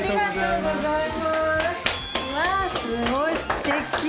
うわすごいすてき！